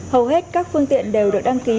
hầu hết các phương tiện đều được đăng ký